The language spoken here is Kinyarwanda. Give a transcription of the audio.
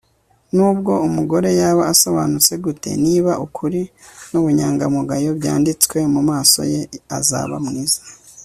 nubwo umugore yaba asobanutse gute, niba ukuri n'ubunyangamugayo byanditswe mu maso ye, azaba mwiza